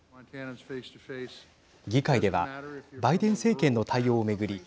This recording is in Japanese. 議会ではバイデン政権の対応を巡り